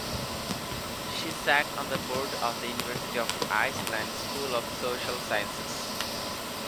She sat on the board of the University of Iceland School of Social Sciences.